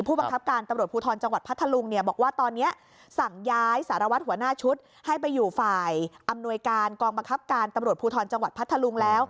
ผู้บังคับการตำรวจภูทรจังหวัดพัทธลุงเนี่ยบอกว่าตอนนี้สั่งย้ายสารวัตรหัวหน้าชุดให้ไปอยู่ฝ่ายอำนวยการกองบังคับการตำรวจภูทรจังหวัดพัทธลุงแล้ว